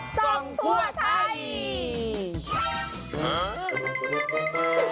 ส่องทั่วท้าย